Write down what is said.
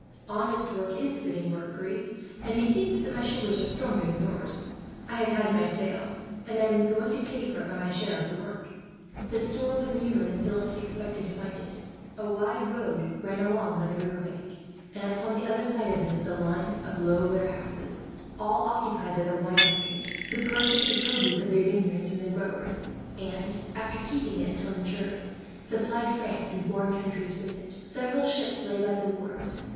"Honest work is fitting work, Pierre, and methinks that my shoulders are stronger than yours. I have had my sail, and I am going to pay for it by my share of the work." The store was nearer than Philip had expected to find it. A wide road ran along by the river bank, and upon the other side of this was a line of low warehouses, all occupied by the wine merchants; who purchased the produce of their vineyards from the growers and, after keeping it until it matured, supplied France and foreign countries with it. Several ships lay by the wharves.